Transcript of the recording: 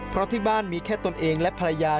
เพราะที่บ้านมีแค่ตนเองและภรรยา